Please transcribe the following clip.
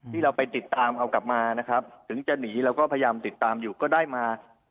ที่เราไปติดตามเอากลับมานะครับถึงจะหนีเราก็พยายามติดตามอยู่ก็ได้มา